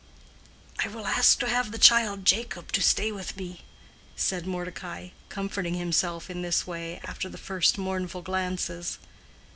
"I will ask to have the child Jacob to stay with me," said Mordecai, comforting himself in this way, after the first mournful glances.